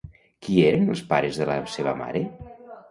Qui eren els pares de la seva mare?